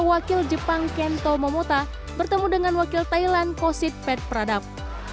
wakil jepang kento momota bertemu dengan wakil thailand kosit pet pradap